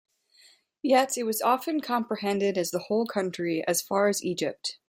Yet, it was often comprehended as the whole country as far as Egypt.